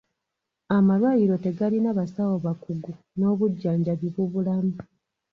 Amalwaliro tegalina basawo bakugu n'obujjanjabi bubulamu.